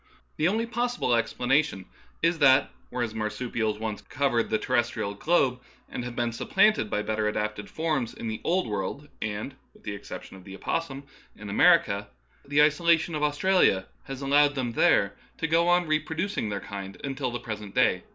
The only possi ble explanation is that, whereas marsupials once covered the terrestrial globe, and have been sup planted by better adapted forms in the Old World and (with the exception of the opossum) in America, on the other hand the isolation of Australia has allowed them there to go on repro Darwinism Verified. 27 ducing their kind until the present day.